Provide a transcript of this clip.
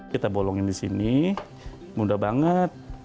kita bolongin di sini mudah banget